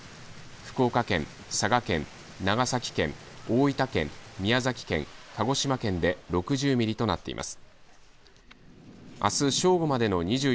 福岡県、佐賀県、長崎県、大分県、宮崎県、鹿児島県で６０ミリとなっています。